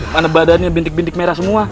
mana badannya bintik bintik merah semua